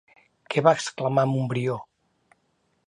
Què va exclamar Montbrió?